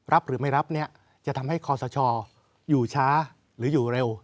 รับหรือไม่รับเนี่ยจะทำให้คอสชอยู่ช้าหรืออยู่เร็ว